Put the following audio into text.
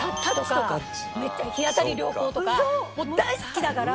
もう大好きだから。